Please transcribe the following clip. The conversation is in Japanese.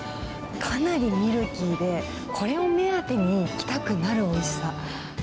かなりミルキーで、これを目当てに来たくなるおいしさ。